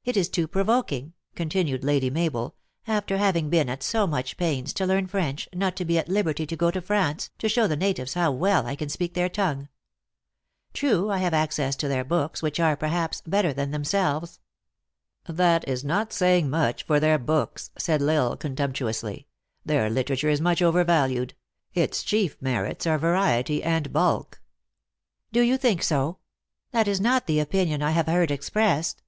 " It is too provoking," continued Lady Mabel, " after having been at so much pains to learn French, not to be at liberty to go to France, to show the na tives how well I can speak their tongue. True, I have access to their books, which are, perhaps, better than themselves." " That is not saying much for their books," said L Isle contemptuously. Their literature is much over valued. Its chief merits are variety and bulk. " Do you think so ? That is not the opinion I have heard expressed."